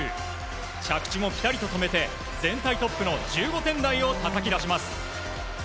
着地もピタリと止めて全体トップの１５点台をたたき出します。